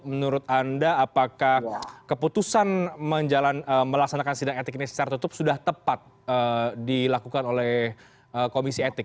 menurut anda apakah keputusan melaksanakan sidang etik ini secara tertutup sudah tepat dilakukan oleh komisi etik